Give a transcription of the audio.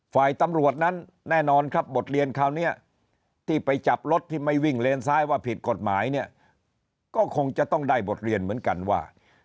ฝ่ายตำรวจนั้นแน่นอนครับบทเรียนคราวนี้ที่ไปจับรถที่ไม่วิ่งเลนซ้ายว่าผิดกฎหมายเนี่ยก็คงจะต้องได้บทเรียนเหมือนกันว่า